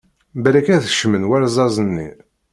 Balak ad d-yekcem warẓaz-nni!